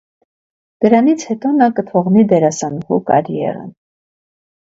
Դրանից հետո նա կթողնի դերասանուհու կարիերան։